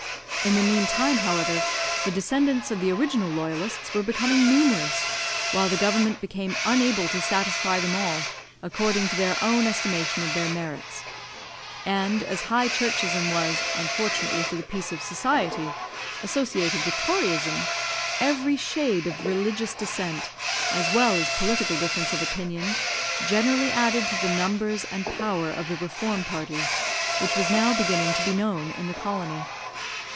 In the meantime, however, the descendants of the original loyalists were becoming numerous, while the government became unable to satisfy them all according to their own estimation of their merits; and as high churchism was, unfortunately for the peace of society, associated with toryism, every shade of religious dissent as well as political difference of opinion generally added to the numbers and power of the reform party, which was now beginning to be known in the colony.